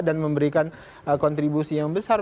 dan memberikan kontribusi yang besar